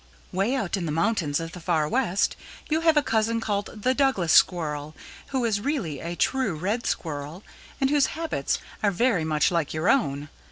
"Way out in the mountains of the Far West you have a cousin called the Douglas Squirrel, who is really a true Red Squirrel and whose habits are very much like your own.